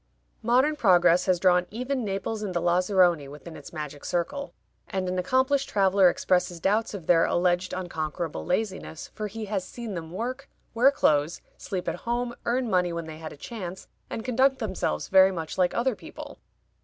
Modern progress has drawn even Naples and the Lazaroni within its magic circle, and an accomplished traveler expresses doubts of their alleged unconquerable laziness, for he has seen them work, wear clothes, sleep at home, earn money when they had a chance, and conduct themselves very much like other people.